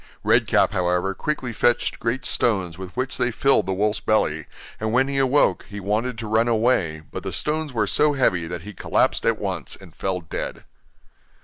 Red Cap, however, quickly fetched great stones with which they filled the wolf's belly, and when he awoke, he wanted to run away, but the stones were so heavy that he collapsed at once, and fell dead.